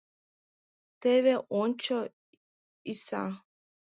— Теве ончо, исӓ!